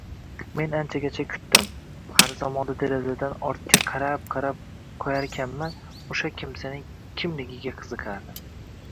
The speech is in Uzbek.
Men anchagacha kutdim, har zamonda derazadan ortga qarab-qarab qoʻyarkanman oʻsha kimsaning kimligiga qiziqardim.